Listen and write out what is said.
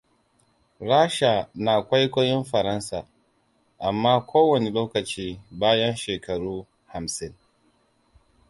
Rasha na kwaikwayon Faransa, amma ko wane lokaci bayan shekaru hamsin.